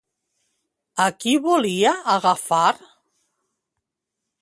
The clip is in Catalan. A qui volia agafar?